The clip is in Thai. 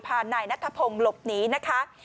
นายนัทธพงศ์หลบหนีนะคะ